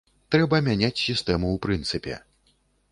Трэба мяняць сістэму ў прынцыпе.